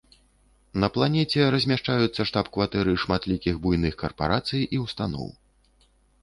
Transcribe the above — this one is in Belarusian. На планеце размяшчаюцца штаб-кватэры шматлікіх буйных карпарацый і ўстаноў.